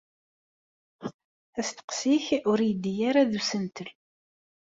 Asteqsi-k ur yeddi ara d usentel.